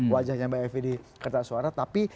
wajahnya mbak evi di kertas suara tapi